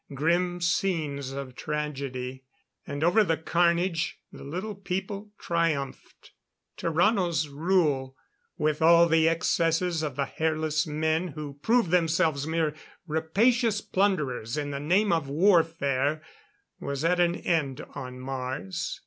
Grim scenes of tragedy; and over the carnage, the Little People triumphed. Tarrano's rule with all the excesses of the Hairless Men who proved themselves mere rapacious plunderers in the name of warfare was at an end on Mars.